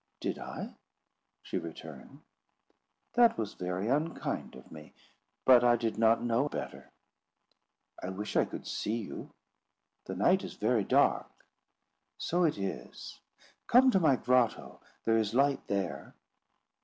"Did I?" she returned. "That was very unkind of me; but I did not know better." "I wish I could see you. The night is very dark." "So it is. Come to my grotto. There is light there."